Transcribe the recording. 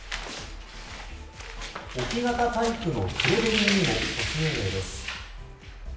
置き型タイプのクレベリンにも措置命令です。